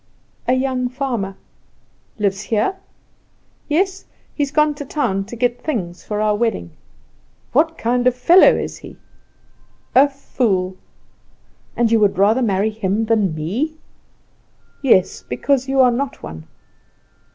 "A young farmer." "Lives here?" "Yes; he has gone to town to get things for our wedding." "What kind of a fellow is he?" "A fool." "And you would rather marry him than me?" "Yes; because you are not one."